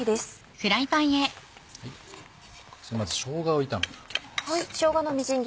まずしょうがを炒めていきます。